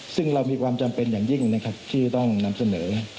ซึ่งเรามีความจำเป็นอย่างยิ่งนะครับที่ต้องนำเสนอ